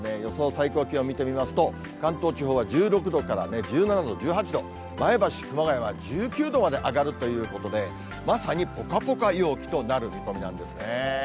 最高気温見てみますと、関東地方は１６度から１７度、１８度、前橋、熊谷は１９度まで上がるということで、まさに、ぽかぽか陽気となる見込みなんですね。